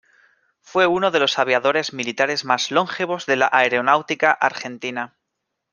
Fue uno de los aviadores militares más longevos de la aeronáutica argentina.